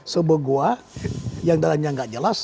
sebuah goa yang dalamnya tidak jelas